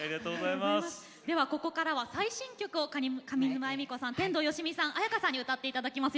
ではここからは最新曲を上沼恵美子さん天童よしみさん絢香さんに歌って頂きます。